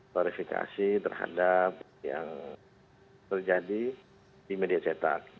klarifikasi terhadap yang terjadi di media cetak